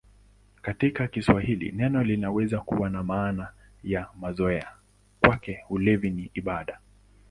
Katika Kiswahili neno linaweza kuwa na maana ya mazoea: "Kwake ulevi ni ibada".